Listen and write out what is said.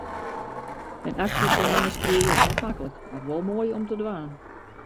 In aksjesêne skriuwe is net maklik, mar wol moai om te dwaan.